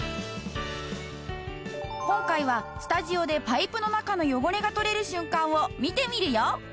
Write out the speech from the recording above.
今回はスタジオでパイプの中の汚れが取れる瞬間を見てみるよ。